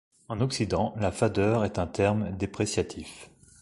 En occident, la fadeur est un terme dépréciatif.